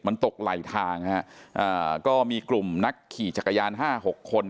มันตกไหลทางฮะอ่าก็มีกลุ่มนักขี่จักรยานห้าหกคน